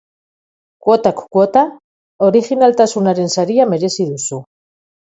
Kuotak kuota, orijinaltasunaren saria merezi duzu.